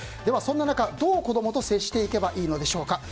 そんな中どう子供と接していけばいいんでしょうか。